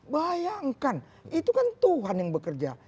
bayangkan itu kan tuhan yang bekerja